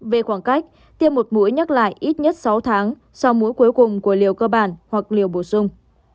về khoảng cách tiêm một mũi nhắc lại ít nhất sáu tháng sau mũi cuối cùng của liều cơ bản hoặc liều bổ sung